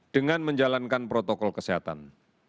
dengan menjalankan protokol kesehatan